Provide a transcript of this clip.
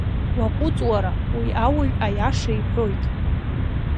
Уаҟәыҵ уара, уи ауаҩ аиаша иҳәоит.